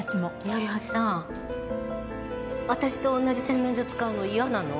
ゆり葉さん、私と同じ洗面所使うの嫌なの？